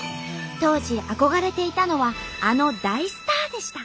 当時憧れていたのはあの大スターでした。